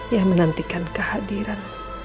yang menantikan kehadiran